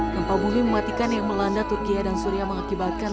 gempa bumi mematikan yang melanda turkiye dan suria mengakibatkan